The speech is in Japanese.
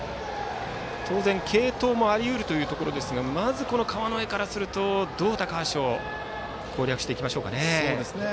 当然、継投もあり得るということですがまず、川之江からするとどう高橋を攻略していきましょう。